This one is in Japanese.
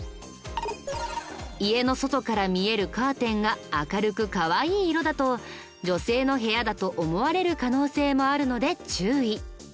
家の外から見えるカーテンが明るくかわいい色だと女性の部屋だと思われる可能性もあるので注意。